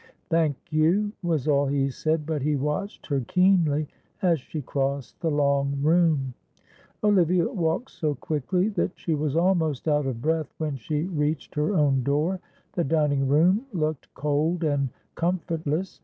"Thank you," was all he said; but he watched her keenly as she crossed the long room. Olivia walked so quickly that she was almost out of breath when she reached her own door. The dining room looked cold and comfortless.